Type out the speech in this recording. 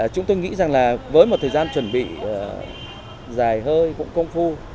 chúng tôi nghĩ rằng là với một thời gian chuẩn bị dài hơi cũng công phu